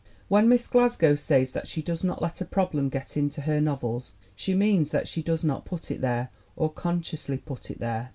When Miss Glasgow says that she does not let a problem get into her novels, she means that she does not put it there, or consciously put it there.